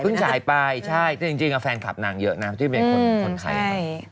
เพิ่งฉายไปใช่จริงแฟนคลับนางเยอะนะที่เป็นคนไทย